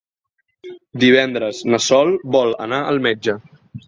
Divendres na Sol vol anar al metge.